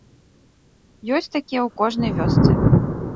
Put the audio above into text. Ёсць такія ў кожнай вёсцы.